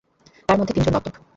তাঁর মধ্যে তিনজন দত্তক।